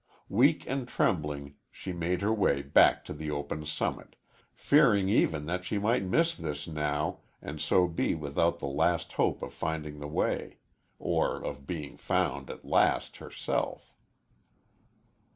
Weak and trembling she made her way back to the open summit, fearing even that she might miss this now and so be without the last hope of finding the way, or of being found at last herself.